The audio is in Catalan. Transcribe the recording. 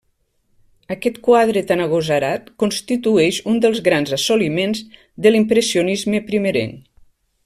Aquest quadre tan agosarat constitueix un dels grans assoliments de l'impressionisme primerenc.